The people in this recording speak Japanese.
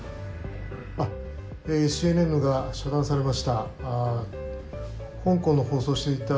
ＣＮＮが遮断されました。